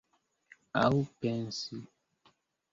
Aŭ pensi.